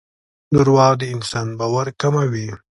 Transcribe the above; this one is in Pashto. دراوغ دانسان باور کموي